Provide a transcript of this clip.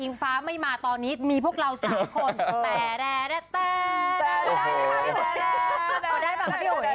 อิงฟ้าไม่มาตอนนี้มีพวกเราสามคน